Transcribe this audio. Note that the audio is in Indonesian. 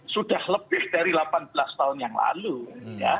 sudah lebih dari delapan belas tahun yang lalu ya